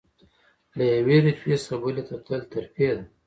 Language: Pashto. له یوې رتبې څخه بلې ته تلل ترفیع ده.